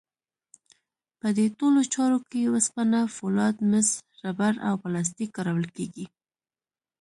په دې ټولو چارو کې وسپنه، فولاد، مس، ربړ او پلاستیک کارول کېږي.